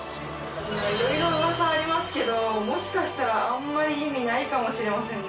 色々ウワサありますけどもしかしたらあんまり意味ないかもしれませんね。